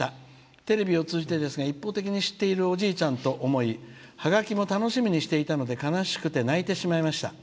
テレビを通じてですが一方的に知っているおじいちゃんと思いハガキも楽しみにしていたので悲しくて泣いてしまいました。